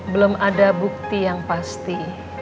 belum ada bukti yang pasti